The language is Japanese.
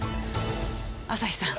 朝日さん。